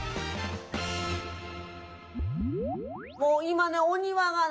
もう今ねお庭がね